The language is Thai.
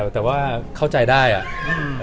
แต่ว่าเข้าใจได้อ่ะ